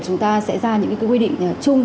chúng ta sẽ ra những quy định chung